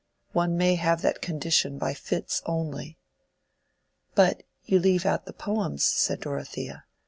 One may have that condition by fits only." "But you leave out the poems," said Dorothea.